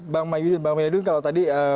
bang mayudun kalau tadi